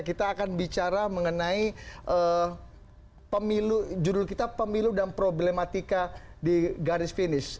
kita akan bicara mengenai pemilu judul kita pemilu dan problematika di garis finish